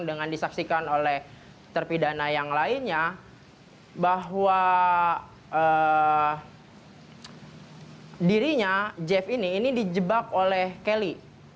dengan disaksikan oleh terpidana yang lainnya bahwa dirinya jeff ini ini dijebak oleh kelly